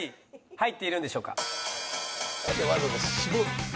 入っているんでしょうか？